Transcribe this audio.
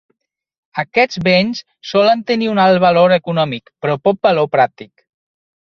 Aquests béns solen tenir un alt valor econòmic, però poc valor pràctic.